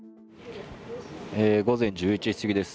午前１１時すぎです。